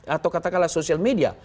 atau katakanlah sosial media